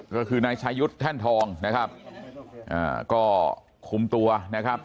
ก็คือนายชายุทธ์แท่นทองนะครับอ่าก็คุมตัวนะครับ